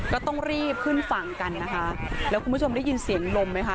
ก็ต้องรีบขึ้นฝั่งกันนะคะแล้วคุณผู้ชมได้ยินเสียงลมไหมคะ